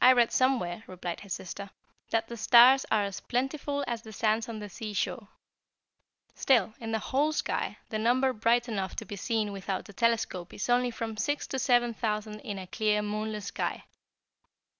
"I read somewhere," replied his sister, "that the stars are as plentiful as the sands on the seashore. Still, in the whole sky, the number bright enough to be seen without a telescope is only from six to seven thousand in a clear, moonless sky.